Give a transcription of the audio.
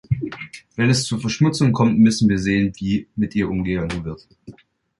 Wenn es zur Verschmutzung kommt, müssen wir sehen, wie mit ihr umgegangen wird.